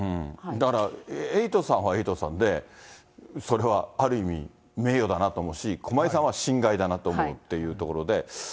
だからエイトさんはエイトさんで、それはある意味、名誉だなと思うし、駒井さんは心外だなと思うっていうところで。